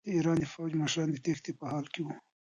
د ایران د پوځ مشران د تېښتې په حال کې وو.